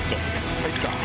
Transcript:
入った。